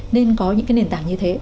nên có những cái nền tảng như thế